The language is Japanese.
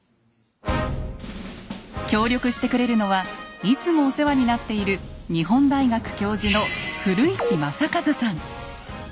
協力してくれるのはいつもお世話になっている日本大学教授の古市昌一さん。